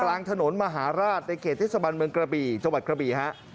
กลางถนนมหาราชในเขตเทสบันจังหวัดกะบี่ฮะ